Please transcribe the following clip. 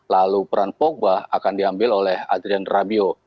lalu peran pogba akan diambil oleh adrian rabio